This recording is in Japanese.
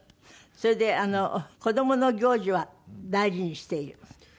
それで子どもの行事は大事にしている？